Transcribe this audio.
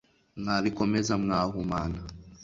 Mwabikomeza mwahumana